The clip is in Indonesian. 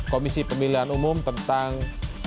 komisi pemilihan umum tentang